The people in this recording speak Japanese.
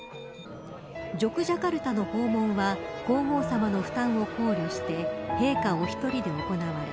ジョクジャカルタの訪問は皇后さまの負担を考慮して陛下お一人で行われ